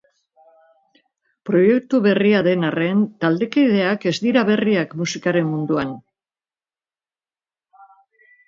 Proiektu berria den arren, taldekideak ez dira berriak musikaren munduan.